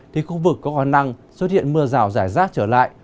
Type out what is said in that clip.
thì khu vực có khả năng xuất hiện mưa rào rải rác trở lại